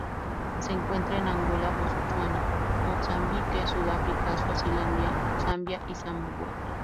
Se encuentra en Angola, Botsuana, Mozambique, Sudáfrica, Suazilandia, Zambia y Zimbabue.